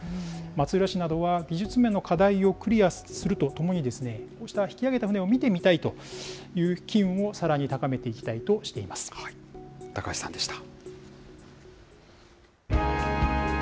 松浦市などは、技術面の課題をクリアするとともに、こうした引き揚げた船を見てみたいという機運をさらに高めていき高橋さんでした。